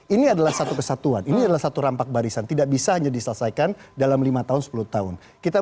ini adalah satu kesatuan ini adalah satu rampak barisan tidak bisa hanya diselesaikan dalam lima tahun sepuluh tahun